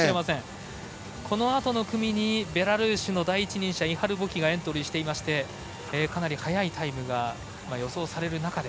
このあとの組にベラルーシの第一人者、イハル・ボキがエントリーしていましてかなり速いタイムが予想される中で。